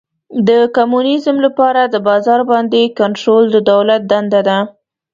د کمونیزم لپاره د بازار باندې کنټرول د دولت دنده ده.